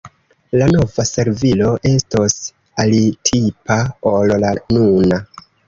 La nova servilo estos alitipa ol la nuna.